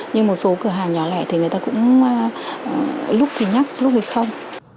nhưng một số cửa hàng nhỏ lẻ thì người ta cũng lúc thì nhắc lúc hay không